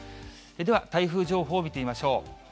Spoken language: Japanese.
では、台風情報を見てみましょう。